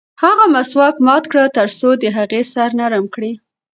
هغه مسواک مات کړ ترڅو د هغې سر نرم کړي.